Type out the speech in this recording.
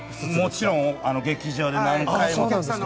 もちろん劇場で何回も。